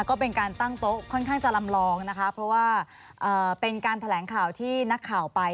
ก็เป็นการตั้งโต๊ะค่อนข้างจะลำลองนะคะเพราะว่าเป็นการแถลงข่าวที่นักข่าวไป